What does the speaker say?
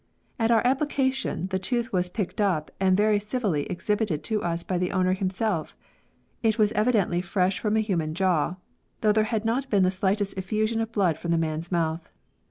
At our application the tooth was picked up and very civilly exhil)ited to us by the owner himself : it was evidently fresh from a human jaw, though there had not been the slightest effusion of blood from the man's mouth.